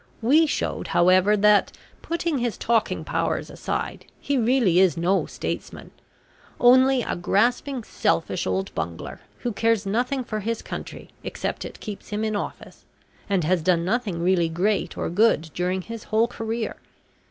We showed, however, that, putting his talking powers aside, he really is no statesman only a grasping selfish old bungler, who cares nothing for his country except it keeps him in office, and has done nothing really great or good during his whole career.